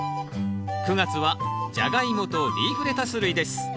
９月は「ジャガイモ」と「リーフレタス類」です。